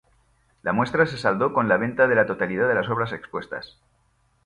La muestra se saldó con la venta de la totalidad de las obras expuestas.